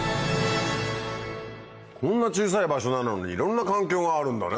こんな小さい場所なのにいろんな環境があるんだね